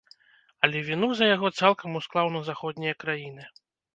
Але віну за яго цалкам усклаў на заходнія краіны.